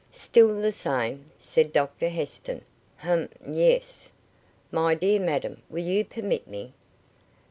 "Still the same," said Dr Heston. "Humph, yes. My dear madam, will you permit me?"